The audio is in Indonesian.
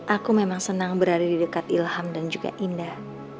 aku memang senang berada di dekat ilham dan juga indah